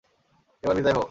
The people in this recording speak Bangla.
এবার বিদায় হও!